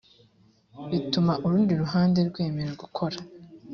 bituma urundi ruhande rwemera gukora